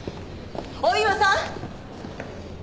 大岩さん？